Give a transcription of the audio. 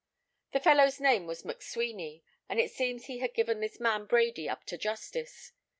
The fellow's name was McSweeny; and it seems he had given this man Brady up to justice.